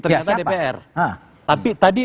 ternyata dpr tapi tadi